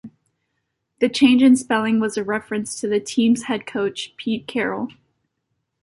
The change in spelling was a reference to the team's head coach, Pete Carroll.